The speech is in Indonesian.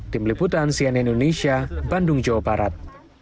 tim liputan sian indonesia bandung jawa barat